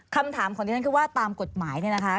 คำถามของดิฉันคือว่าตามกฎหมายเนี่ยนะคะ